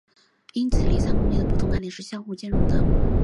因此离散空间的不同概念是相互兼容的。